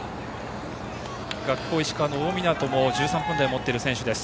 学法石川の大湊も１３分台を持っています。